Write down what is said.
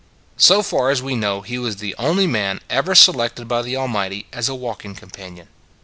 So far as we know he was the only man ever selected by the Almighty as a walking companion.